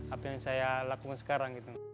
apa yang saya lakukan sekarang